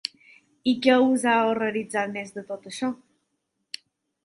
I què us ha horroritzat més de tot això?